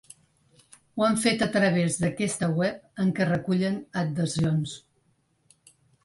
Ho han fet a través d’aquesta web, en què recullen adhesions.